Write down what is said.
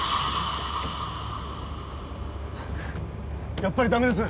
やっぱりダメです